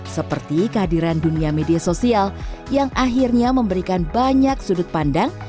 seperti kehadiran dunia media sosial yang akhirnya memberikan banyak sudut pandang